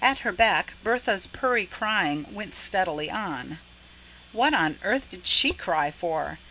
At her back, Bertha's purry crying went steadily on. What on earth did she cry for?